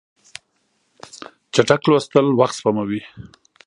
چټک لوستل وخت سپموي.